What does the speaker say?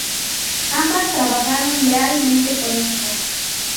Ambas trabajaron lealmente conmigo.